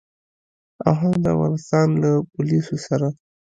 او هم د افغانستان له پوليسو سره.